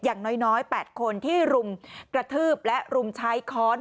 อย่างน้อย๘คนที่รุมกระทืบและรุมใช้ค้อน